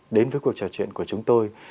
đến với cuộc trò chuyện của chúng tôi